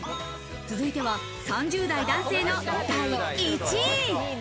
続いては３０代男性の第１位。